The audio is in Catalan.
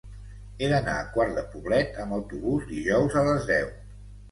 He d'anar a Quart de Poblet amb autobús dijous a les deu.